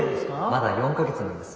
まだ４か月なんです。